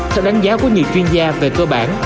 theo đánh giá của nhiều chuyên gia về cơ bản